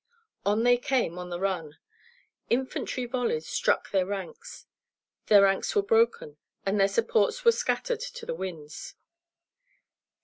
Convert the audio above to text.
On they came on the run. Infantry volleys struck their ranks. Their ranks were broken, and their supports were scattered to the winds.